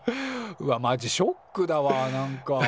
うわっマジショックだわなんか。